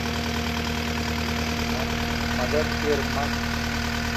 مدد کیر من۔